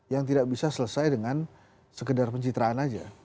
yang tidak bisa selesai dengan sekedar pencitraan saja